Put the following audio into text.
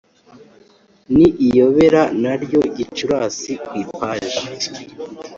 ni iyobera na ryo Gicurasi ku ipaji